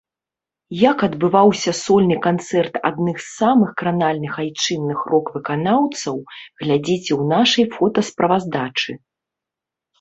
Як адбываўся сольны канцэрт адных з самых кранальных айчынных рок-выканаўцаў глядзіце ў нашай фотасправаздачы.